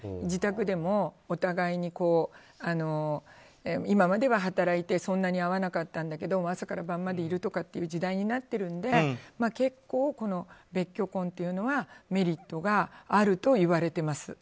自宅でも、お互いに今までは働いてそんなに会わなかったんだけど朝から晩までいるとかいう時代になっているので結構この別居婚というのはメリットがあるといわれてます。